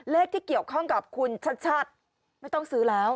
เลขที่เกี่ยวข้องกับคุณชัดไม่ต้องซื้อแล้ว